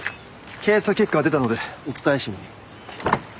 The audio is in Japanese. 検査結果が出たのでお伝えしに。